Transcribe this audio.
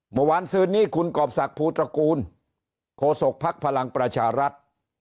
เมื่อวานซื้อนี้คุณกรอบสักผู้ตระกูลโฆษกภักดิ์พลังประชารัฐ